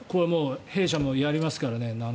弊社も７日にやりますからね。